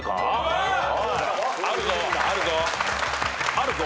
あるぞ。